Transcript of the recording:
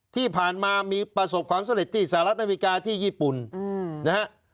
ที่ผ่านมามีประสบความสำเร็จที่สหรัฐอเมริกาที่ญี่ปุ่นนะฮะ